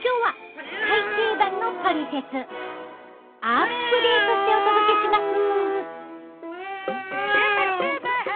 アップデートしてお届けします。